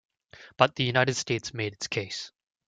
But the United States made its case.